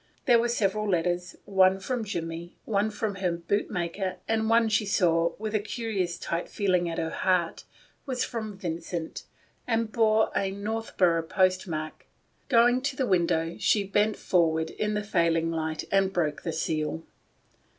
There were several letters : one from Jimmie, one from her boot maker, and one she saw, with a curious tight feeling at her heart, was from Vincent and bore a Northborough postmark. Going to the window, she bent forward in the failing light and broke the seal.